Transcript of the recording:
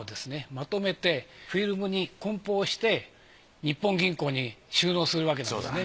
まとめてフィルムに梱包して日本銀行に収納するわけですね。